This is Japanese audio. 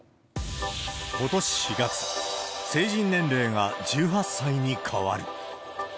ことし４月、成人年齢が１８歳に変わる。